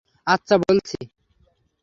আচ্ছা, বলছি।